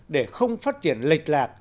để không phát triển lệch lạc